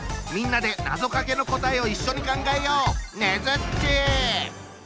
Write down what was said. みんなでなぞかけの答えを一緒に考えよう！